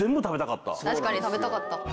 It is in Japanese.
確かに食べたかった。